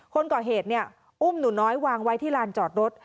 คนก่อเหตุเนี่ยอุ้มหนูน้อยวางไว้ที่ลานจอดรถ